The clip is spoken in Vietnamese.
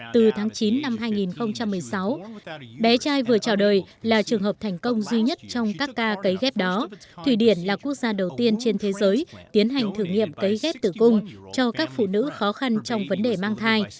từ tháng chín năm hai nghìn một mươi sáu bé trai vừa chào đời là trường hợp thành công duy nhất trong các ca cấy ghép đó thụy điển là quốc gia đầu tiên trên thế giới tiến hành thử nghiệm cấy ghép tử cung cho các phụ nữ khó khăn trong vấn đề mang thai